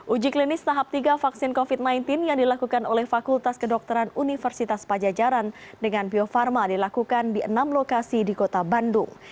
uji klinis tahap tiga vaksin covid sembilan belas yang dilakukan oleh fakultas kedokteran universitas pajajaran dengan bio farma dilakukan di enam lokasi di kota bandung